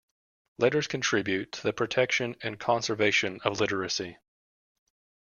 Letters contribute to the protection and conservation of literacy.